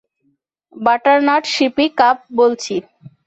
Butternut CP cup বলছি।